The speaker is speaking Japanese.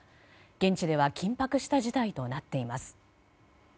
現地では緊迫した事態となっています。